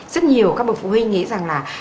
rất nhiều các bậc phụ huynh nghĩ rằng là